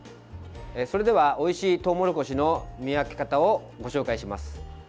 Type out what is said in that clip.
それではおいしいトウモロコシの見分け方をご紹介します。